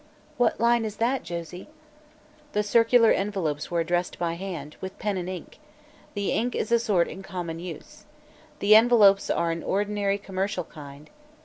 "What line is that, Josie?" "The circular envelopes were addressed by hand, with pen and ink. The ink is a sort in common use. The envelopes are an ordinary commercial kind.